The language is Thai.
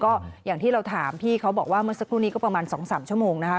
ก็อย่างที่เราถามพี่เขาบอกว่าเมื่อสักครู่นี้ก็ประมาณ๒๓ชั่วโมงนะคะ